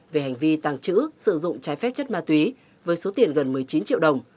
về hành vi tàng trữ sử dụng trái phép chất ma túy với số tiền gần một mươi chín triệu đồng